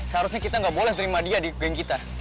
seharusnya kita gak boleh nerima dia di geng kita